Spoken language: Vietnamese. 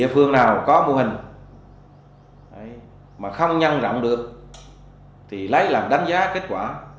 địa phương nào có mô hình mà không nhân rộng được thì lấy làm đánh giá kết quả